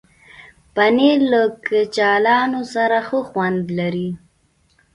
پنېر له کچالو سره ښه خوند لري.